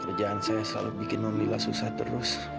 kerjaan saya selalu bikin nondila susah terus